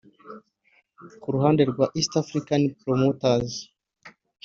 Ku ruhande rwa East African Promoters